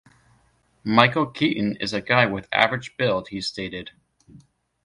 Michael Keaton is a guy with average build, he stated.